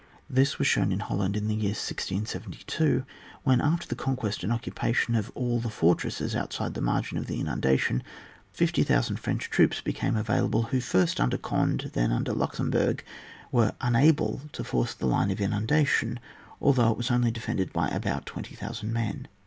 This was shown in Holland in the year 1672, when, after the conquest and occupation of all the fortresses outside the maxgin of the inundation, 50,000 French troops became available, who, — first under Cond^ and then under Luxemburg, — were unable to force the line of inimda tion, although it was only defended by about 20,000 men.